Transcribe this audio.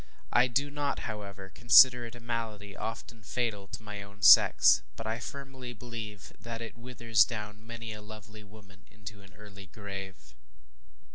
I do not, however, consider it a malady often fatal to my own sex; but I firmly believe that it withers down many a lovely woman into an early grave.